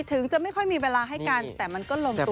ถึงจะไม่ค่อยมีเวลาให้กันแต่มันก็ลมตัว